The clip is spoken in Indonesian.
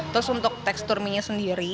terus untuk teksturnya sendiri